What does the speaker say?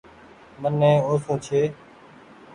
امني اوسون ڇي۔